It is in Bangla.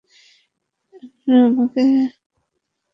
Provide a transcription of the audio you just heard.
আপনারা আমাকে এখানে পেটাতে নিয়ে আসেননি, তাই না?